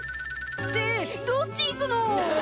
「ってどっち行くの」